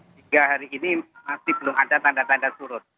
hingga hari ini masih belum ada tanda tanda surut